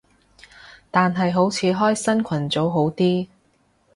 但係好似開新群組好啲